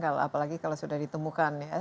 apalagi kalau sudah ditemukan